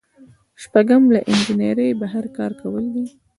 شپږم له انجنیری بهر کار کول دي.